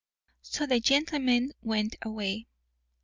So the gentlemen went away.